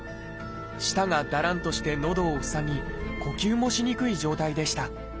舌がだらんとして喉を塞ぎ呼吸もしにくい状態でした。